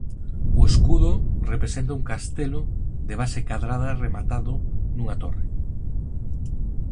O escudo representa un castelo de base cadrada rematado nunha torre.